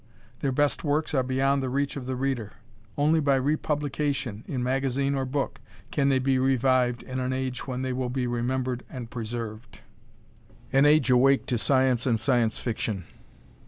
Their best works are beyond the reach of the reader. Only by republication, in magazine or book, can they be revived in an age when they will be remembered and preserved an age awake to science and Science Fiction.